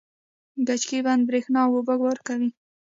کجکي بند بریښنا او اوبه ورکوي